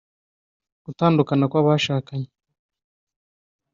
gutandukana kw’abashakanye